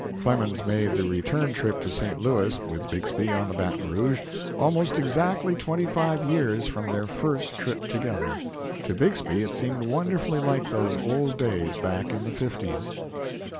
Clemens made the return trip to St. Louis with Bixby on the "Baton Rouge" almost exactly twenty five years from their first trip together. To Bixby it seemed wonderfully like those old days back in the fifties.